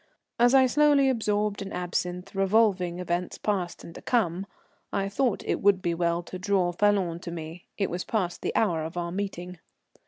As I slowly absorbed an absinthe, revolving events past and to come, I thought it would be well to draw Falloon to me. It was past the hour for our meeting.